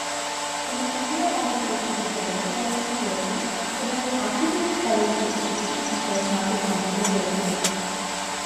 তিনি কমলা বালিকা উচ্চ বিদ্যালয়ে পড়াশোনা করেছেন এবং আশুতোষ কলেজ থেকে ইতিহাস বিষয়ে স্নাতক সম্পন্ন করেছেন।